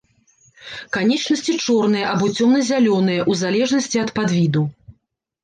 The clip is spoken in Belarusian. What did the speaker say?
Канечнасці чорныя або цёмна-зялёныя, у залежнасці ад падвіду.